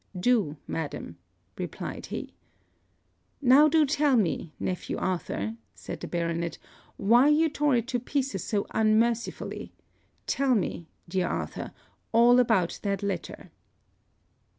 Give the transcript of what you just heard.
'Do, madam,' replied he. 'Now do tell, me nephew Arthur,' said the baronet, 'why you tore it to pieces so unmercifully tell me, dear Arthur, all about that letter.'